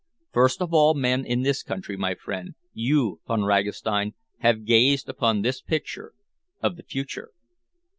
First of all men in this country, my friend, you Von Ragastein, have gazed upon this picture of the future."